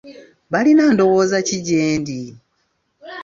Balina ndowooza ki gyendi?